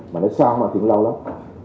mà nó xong thì nó lâu lắm